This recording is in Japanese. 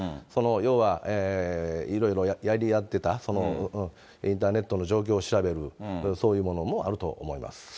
要はいろいろやり合ってた、インターネットの状況を調べる、そういうものもあると思います。